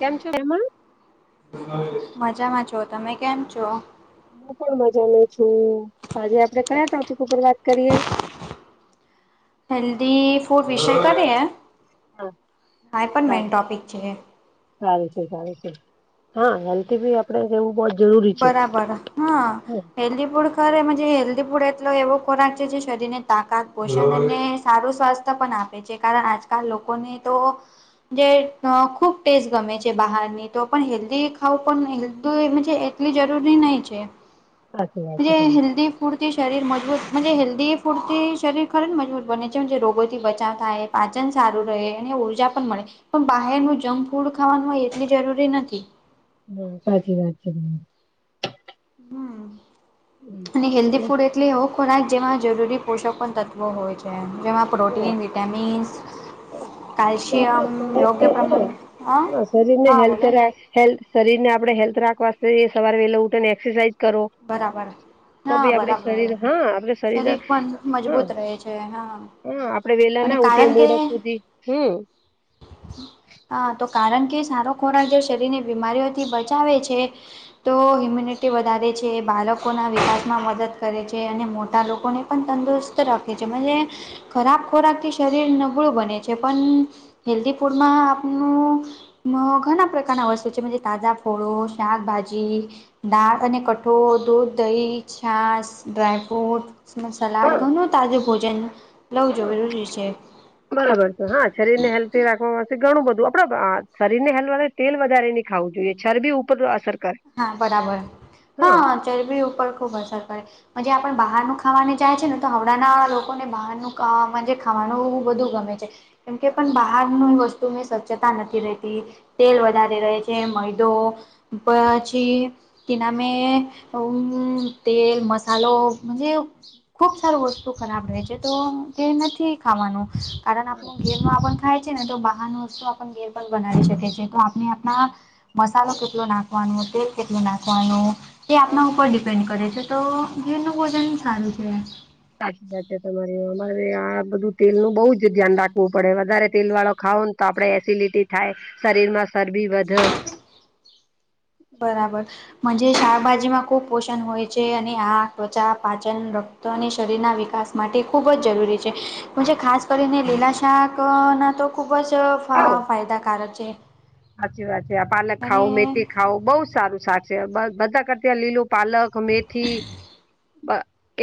કેમ છો [unintelligible] મજામાં છો. તમે કેમ છો? હું પણ મજા માં છું. આજે આપડે કયા ટોપિક ઉપર વાત કરીએ? હેલ્ધી ફૂડ વિષય કરે હા હા એ પણ મેન સારું ટોપિક છે. સારું છે સારું છે. હા ગલતી ભી આપ આપડે રેવું બોહોત જરૂર બરાબર. હા હેલ્થી ફુડ ખર એમાં જે હેલ્ધી ફૂડ એટલો એવો ખોરાક છે જે શરીરને તાકાત પોષણ અને સારું સ્વાસ્થ્ય પણ આપ જે કારણ આજકાલ લોકોને તો જે અહ ખૂબ ટેસ્ટ ગમે છે બહારની તો પણ હેલ્ધી ખાવું પણ હેલ્ધી મનજે લી જરૂરી નહી છે. સાચી વાત છે જે તમારી હેલ્થી ફૂડથી શરીર મજબૂત મનજે હેલ્ધી ફૂડથી શરીર ખરી મજબૂત બને છે. જે રોગોથી બચાવ થાય પાચન સારું રહે અને ઊર્જા પણ મળે પણ બહારનું જંક ફૂડ ખાવાનું એટલી જરૂરી નથી. હમ્મ, સાચી વાત છે તમારી. હમ્મ અને હેલ્ધ ફૂડ એ એટલે એવો ખોરાક જેમાં જરૂરી પોષક પણ તત્વો હોય છે જેમાં હા પ્રોટીન વિટામિન્સ તો આપડે કલ્શિયમ યોગ્ય શરીરને હા પ્રમાણમાં ને હા શરીરને હા હેલ્થ બોલો રાખ હેલ્થ શરીર ને આપડે હેલ્ધ રાખવા સવારે વેલા ઉઠીને એક્સરસાઇઝ કરો બરાબર તો હા ભી આપડે બરાબર શરીર હા આપડ શરીર ના હા જે હા. હમ્મ આપડે વેલા અને ના ઉઠીએ કારણ કે મોડ સુધી હમ્મ. હા તો કારણ કે સારો ખોરાક જે શરીર ની બીમારીઓથી બચાવે છે તો ઇમ્યુનીટી વધારે જે બાળકોના વિકાસમાં મદદ કરે છે અને મોટા લોકોને પણ તંદુરસ્ત રાખે છે. મંજે ખરાબ ખોરાક થી શરીર નબળું બને છે પણ હેલ્ધી ફૂડમાં આપનું માં ઘણા પ્રકારના વસ્તુ છે તાજા ફળો શાકભાજી દાળ અને ક ઠોળ દૂધ દહી છાશ ડ્રાય ફ્રુટ મસલાડ હા ઘણો તાજો ભોજન લવ હા જરૂરી છે. બરાબર છે હા શરીર ને હેલ્થી રાખવા માટે ઘણું બધું આપડો અહ શરીર ને હેલ્વા તેલ વધારે નહી ખાવું જોઈએ ચરબી ઉપર અસર કરે હા બરાબર હા ચરબી ઉપર ખુબ અસર કરે. મનજે આપણ બહારનું ખાવાને જાય છે ને તો હાવડા ના લોકોને બહારનું અહ મનજે ખાવાનું બધું ગમે છે કેમ કે બહારની વસ્ તોની સ્વચ્છતા નથી રહેતી તેલ વધારે રહે છે. મેંદો સાચી તેના મેં અમ્મ તેલ મસાલો મનજે ખુબ સારું વસ્તુ ખરાબ રહે છે તો તે નથી ખાવાનું કારણ આપણું ઘી માં આપણ ખાય છે ને તો બહારનૂ વસ્તુ ઘેર બનાવી શકે છે તો આપણે આપણા મસાલો કેટલો નાખ વાનું હતું કેટલું નાખવાનું તે આપના ઉપર ડિપેન્ડ કરે છે તો જેનું ભોજન સારું છે. સાચી વાત છી તમારી મારે આ બધું તેલ નું બઉુ જ ધ્યાન રાખવું પડે વધારે તેલ વાળો ખાવ તો આપણડે એસિડિટી થાય શરીર માં ચરબી વધ બરાબર મનજે શાકભાજીમાં ખુબ પોષણ હોય છે અને આ ત્વચા પાચન તો ને શરીરના વિકાસ માટે ખૂબ જરૂરી છે. મનજે ખાસ કરીને લીલા શાક અહ ના તો ખુબ જ ફ આવો અહ ફાયદાકારક છે. સાચી વાત છે, આ પાલક ખાવ અને મેથી ખાવો બઉ જ સારું સાચે બધ-બધા કરતા આ લીલું પાલક મેથી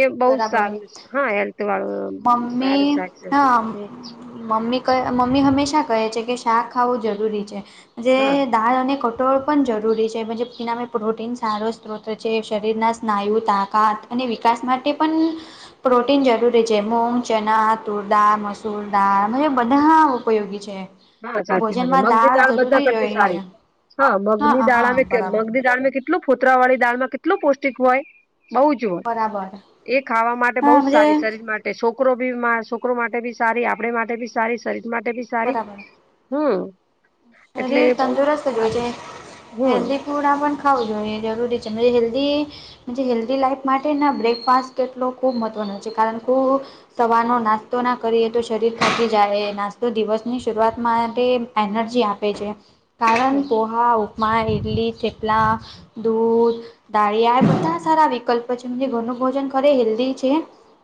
એ બહ જ બરાબર સારું છે હા હેલ્થ વાળું. સારું મમ્મી સારું. હા મમ્મી મમ્મી હંમેશા કહે છે કે શાક ખાવું જરૂરી છે, જે હા દાળ અને ક ટોળ પણ જરૂરી છે પણજ તેનામે પ્રોટીન સારો સ્ત્રોત છે શરીરના સ્નાયુ તાકાત. અને વિકાસ માટે પણ, પ્રોટીન જરૂરી મગ ચના તુરદાર મસૂરદાળ બધા ઉપયોગી છે. હા સાચી વાત છે ભોજનમાં મગની દાળ બધા જરૂરી કરતી સારી, જોઈએ હા મગની દાળા હા બરાબર મગની દાળ કેટલું ફોતરા વાળી દાળમાં કેટલું પૌષ્ટિક હોય? બહુ જ હોય, બરાબર એ ખાવા માટે હા બહુ જ મજે સારી શરીર માટે કે છોકરો બી છોકરો માટે બી સારી આપડ માટે બી સારી શરીર માટે બી સારી. બરાબર હમ. એટલે શરીર એ બહ તંદુરસ્ત જ જોજે, સારી છે હેલ્ધ ફૂડ ખાવું જોઈએ જરૂરી છે જલ્દી હેલ્ધી લાઈફ માટે ના બ્રેકફાસ્ટ કેટલો ખુબ મહત્વનો છે કારણ કે. સવારનો નાસ્તો ના કરીએ તો શરીર ફાંકી જાય નાસ્તો દિવસની શરૂઆત માટે એનર્જી આપે. આપે છે, કારણ પોહા ઉપમા ઈડલી થેપલા, દૂધ. દાળીયા એ બધા સારા વિકલ્પ છે ઘરનું ભોજન ખરે હેલ્ધી છે.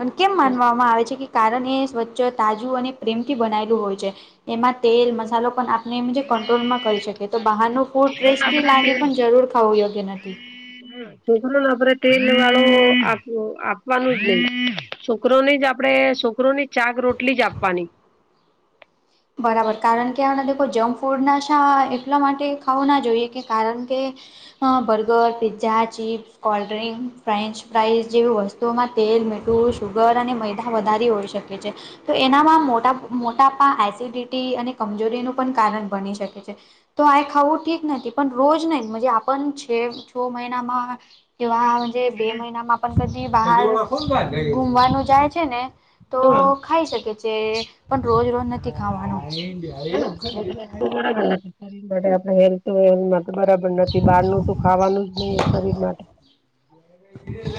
અને કેમ માનવામાં આવે છે કે કારણ એ સ્વચ્છ તાજું અને પ્રેમથી બનાયેલું હોય છે, એમાં તેલ મસાલો પણ આપણે જે કંટ્રોલમાં કરી શકે તો હમ બહારનું ફૂડ ટેસ્ટી લાગે પણ જરૂર ખાવું યોગ્ય નથી. છોકરોને આપડે તેલ વાળો આપવાનું છે, છોકરો ની જ આપડે છોકરો ની ચાક રોટલી જ આપવાની. બરાબર કારણ કે દખો જંક ફૂડ ના શા એટલા માટે ખાવું ના જોઈએ કે કારણ કે. હા burger pizza chips. Cold drink French fries જેવી વસ્તુઓમાં તેલ મીઠું સુુગર અને મેૈદા વધારે હોય છે. [unintelligible] તો એનામાં મોટા એસિડિટી અને કમજોરીનું પણ કારણ બની શકે છે. તો આ ખાાવું ઠીક નથી પણ રોજ નહીજ આપ છે છ મહિનામાં કેવા બે મહિનામાં પણ કદી બહાર ઘુમવાનું જાય છે ને. તો શરીર ખાઈ શકે છે, પણ રોજ રોજ નથી ખાવાનું. [unintelligible] શરીર માટે આપડે હેલ્થ વથ બરાબર નથી બહાર ન તો ખાવાનું જ નહી શરીર માટે.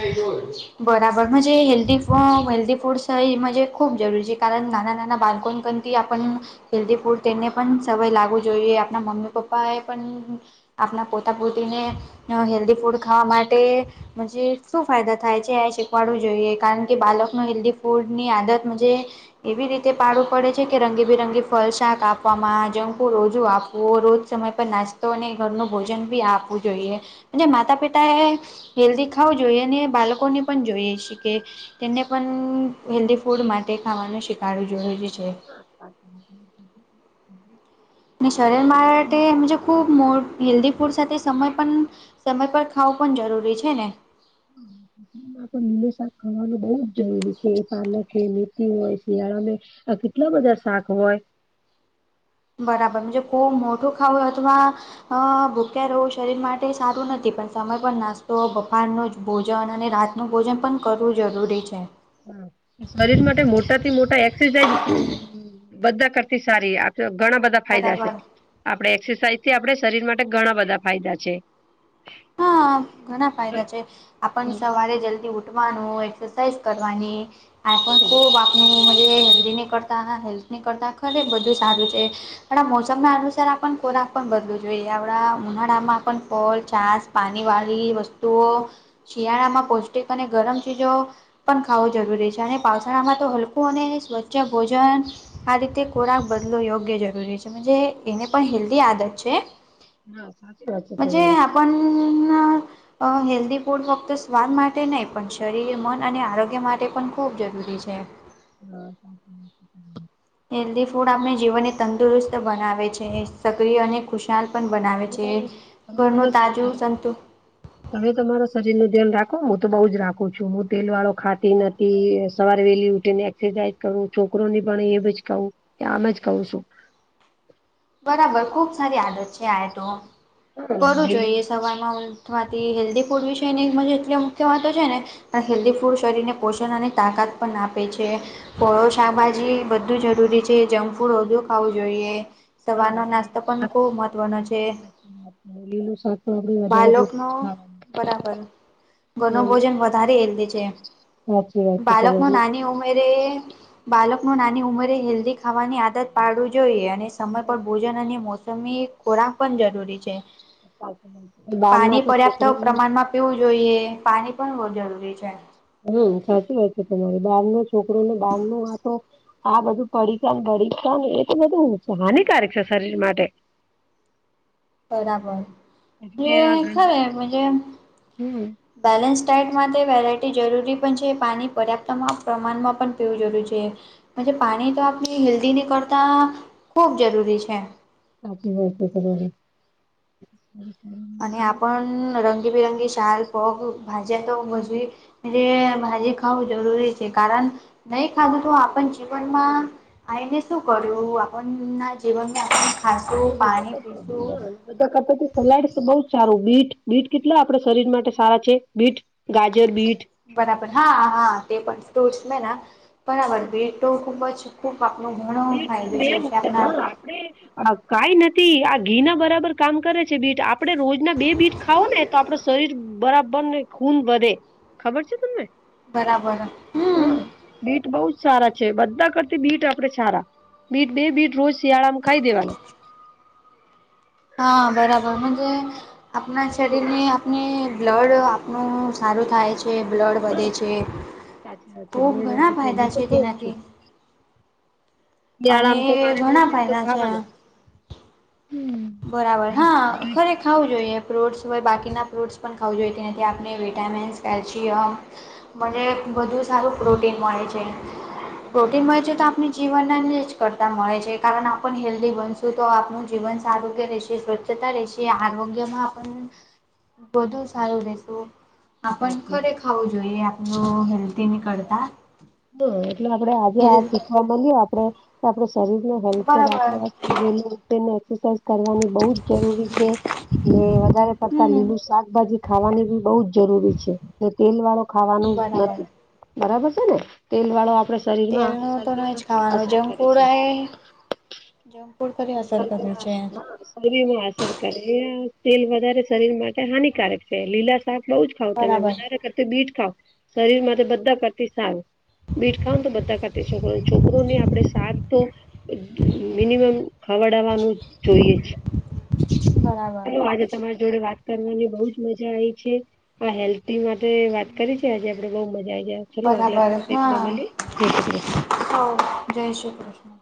[unintelligible] બરાબર મુજે હેલ્દી હેલ્ધ ફૂડ્સ ખૂબ જરૂરી છે કારણ નાના નાના બાળકોને પણ થી આપણ હેલ્ધી ફૂડ તેને પણ સવાય લાગવું જોઈએ, આપણા મમ્મી પપ્પાએ પણ આપણા પોતા પોતીને, હેલ્ધી ફૂડ ખાવા માટે મુજે શું ફાયદા થાય છે એ શીખવાડવું જોઈએ કારણ કે બાલકનું હેલ્ધી ફૂડની આદત જે એવી રીતે પાડું પડે છે કે રંગીબિરંગી ફલ શાક આપવામાં જંખુ રોજુ આપવું રોજ સમય નાસ્તો અને ઘરનું ભોજન ભી આપવું જોઈએ, અને માતા પિતા એ હેલ્ધી ખાવું જોઈએ અને બાલકોને પણ જોઈએ શી કે તેને પણ હેલ્ધી ફૂડ માટે ખાવાનું શખડું જો છે. અને શરીર મા માટે મુજ ખૂબ મો હેલ્ધી ફૂડ સાથે સમય પણ, સમય પર ખાવું પણ જરૂરી છે ને. માં તો શાક ખાવાનું બહુ જ છે એ સાલે. કે મેથી હોય, શિયાળા મેઆ કેટલા બધા શાક હોય. બરાબર જપો મોટું ખાવ અથવા અં ભૂખ્યા રેવું શરીર માટે સારું નથી પણ સમય પર નાસ્તો બફાર નોજ ભોજન અને રાતનું ભોજન પન કરવું જરૂરી છે. શરીર માટે મોટાથી મોટા એક્સસાઇજ બધા કરતી સારી. ઘણા બધા ફાયદા સે, બરાબર આપળે એક્સસાઇ થી આપડે શરીર માટે ઘણા બધા ફાયદા છે. હા ઘણા ફાયદા છે, આપન સવારે જલ્દી ઉઠ વાનુ એકસસાઈસ કરવાની. હું કરતાં હેલ્થની કરતાં ખરે બધું સારું હે. પણ મોસમ માં અનુસાર આપન ખોરાક પણ બદલું જોઈએ આવળા ઉનાળામાં પન ફલ છાસ. પાની વાલી વસ્તુઓ, શિયાળા માં પૌષ્ટિક અને ગરમ ચીજો પન ખાવું જરૂરી છે અને પાાવસાળામાં તો હલકું અને સ્વચ્છ ભોજન. આ રીતે ખોરાક બદલો યોગ્ય જરૂરી છે મજે એને પણ હેલ્દી આદત છે. ના સાચી વાત છે તમારી. અ હેલ્દી ફૂડ ફક્ત સ્વાદ માટે નઇ પન શરીર મન અને આરોગ્ય માટે પન ખૂબ જરૂરી છે. [unintelligible] [unintelligible] હેલ્દી ફૂડ આપને જીવને તંદુરસ્ત બનાવે છે સક્રિય અને ખુશી બનાવે તમે છે, પણ તમે ઘરનુ પણ તાજું સંતુ તમે તો તમારા શરીર નું ધ્યાન રાખો મુતો બઉ જ રાખું છું હું તેલ વાળો ખાતી નતી સવારે વેલી ઉઠી ને સ કરું છોકરો ને પણ એબજ કવું કે આમ જ કઉ છું. બરાબર ખુબ સારી આદત છે આ તો, હા કરું વેલી જોઈએ સવારમાં. થવાથી હેલ્દી ફૂડ વિશેની મને એટલી આમ ચવાતો છે ને. હેલ્દી ફૂડ શરીરને પોષન અને તાકાત પન આપે છે. પળો શાકભાજી બધું જરૂરી છે જંબમફૂડ ઓધું ખાવું જોઈએ. હા સવારનો નાસ્તો વેલીનું પન શાક ખુબ મહત્વનો છે, લીલું શાક તો આપડે વધારે પાલખ પૂરતું નો જ પરાપર. ગનો ખાવાનું ભોજન વધારે હેલ્દી ચે, સાચી વાત છે બાલકનો તમારી નાની ઉમેરે બાલકનો નાની ઉંમરે હેલ્દી ખાવાની આદત પાડવું જોઈએ અને સમ ભોજન અને મોસમી ખોરાક પન જરૂરી છે. બાર ના પાણી તો પર્યાપ્ત સોકરો પ્રમાણમાં પીવું જોઈએ પાની પણ બહુ જરૂરી છે. હમ સાચી વાત છે તમારી બાર નો છોકરો ને બાર નું આતો આ બધું પળીકા ને ભળીકા ને એ તો બધું હાનિકારક છે શરીર માટે. પરાબર એટલે આ ઘર [unintelligible] હમ બેલેન્સ ટાયટ માતે વેરાયટી જરૂરી પન છે પાની પરાપ્તમા પ્રમાનમાં પન પીવું જરૂરી છે. પજે પાની તો આપની હેલ્દી નીકરતા ખૂબ જરૂરી છે. [unintelligible] [unintelligible] અને આપન રંગબિરંગી શાલ પગ ભાજે તો મજલી ભાજી ખાવું જરૂરી છે કારન, નઇ ખાહુ તો આપન જીવનમાં આઈને સુ કરયૂ આપન ના જીવનને ખાસું બધા પાની કરતા પીશું. હા બધા કપટ સલાડશ બઉ ચારું બીટ બીટ કેટલા આપડ શરીર માટે સારા છે બીટ? ગાજર બીઠ. પરાપર હા હા તે પણ પરાપર, બેટોખૂબ છ. ખૂપ આપનો ઘણો ફાયદો છે જે આપના આપળે કાઈ નતી આ ઘીના બરાબર કામ કરે છે બીટ આપ આપળે રોજના બે બીટ ખાઓ ને તો આપળ શરીર બરાબર ને ખૂન વધે ખબર છે તમને? બરાબર હમ્મ. હા બીટ બહુ જ સારા છે બધા કરતી બીટ આપ આપડે સારા બીટ બે બીટ રોજ શિયાળામાં ખાઈ દેવાનું. હા બરાબર ન જે આપણા શરીરની આપણે બ્લડ આપણું સારું થાય છે. છે બ્લડ વધે હા છે, સાચી વાત છે ખૂબ બ્લડ ઘણા વધે હું ફાયદા તો છે ખઉં તેનાથી. [inaudible] અને શીયાળામાં તો મારે બે ઘણા બીટ તો ફાયદા છે ખાવાનું, જ. બરાબર હા ખરેખ ખાવું જોઈએ ફ્રૂટસ હોય બાકીના ફ્રૂટસ પણ ખાવું જોઈએ તેનાથી આપણે વિટામિન્સ કેલ્શિયમ. મને બધું સારું પ્રોટીન મળે છે, પ્રોટીન મળે છે તો આપણે જીવન જ કરતા મળે છે કારણ આપ હેલ્ધી બનશું તો આપનું જીવન આરોગ્ય રહેશે સ્વચ્છતા રહેશે આરોગ્યમાં આપણે બધુ સારું રહી શું. આપણ સાચી ઘરે ખાવું જોઈએ આપણું હેલ્ધ ની કરતા. ના એટલે આપડે આજે આ હેલ્ શીખવા મળ્યું આપડે, આપડ શરીરને હેલ્થ બરાબર રાખવા જેને એક્સરસાઇઝ કરવાની બઉ જ જરૂરી છે. વધારે પડતા હમ લીલું શાકભાજી ખાવાની બી બહુ જ જરૂરી છે. તેલ વાળો ખાવાનું જ બરાબર નથી બરાબર છે ને, તેલ વાળો આપડે શરીરમાં તેલનું તો નહી જ શરદીમાં ખાવાનું અસર કરે છે. જંગફ્રૂટ [unintelligible] શરીમાં અસર કરે તેલ વધારે શરીર માટે હાનિકારક છે લીલા શાખ બહુ જ ખાઉ તમે બરાબર વધારે કરતી બીટ ખાવ, શરીર બધા કરતી સારું. બીટ ખાવા તો બધા કરાતા એ છોકરો છોકરોને આપડે સાત તો, મિનિમમ ખવડવાનું જોઈએ જ. બરાબર હલો આજે તમારી જોડે વાત કરવાની બહું જ મજા આવી છે. હા હેલ્ધી માટે વાત કરી છે આજે આપડે બઉ મજા આવી જાય ચલો આગલા બરાબર ટોપિકમાં મળીએ. જય શ્રી કૃષ્ણ. હો જય શ્રી કૃષ્ણ.